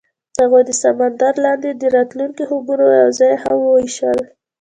هغوی د سمندر لاندې د راتلونکي خوبونه یوځای هم وویشل.